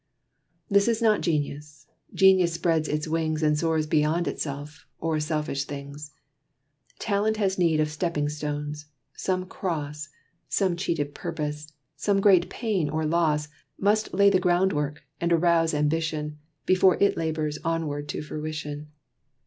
This is not Genius. Genius spreads its wings And soars beyond itself, or selfish things. Talent has need of stepping stones: some cross, Some cheated purpose, some great pain or loss, Must lay the groundwork, and arouse ambition, Before it labors onward to fruition.